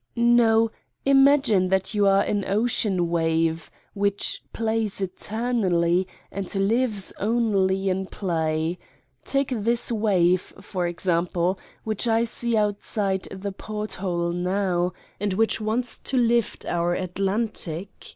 No, imag ine that you are an ocean wave, which plays eter nally and lives only in play take this wave, for example, which I see outside the porthole now and which wants to lift our " Atlantic